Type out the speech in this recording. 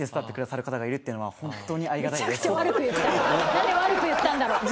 なんで悪く言ったんだろう？